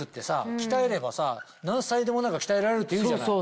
鍛えればさ何歳でも鍛えられるっていうじゃない。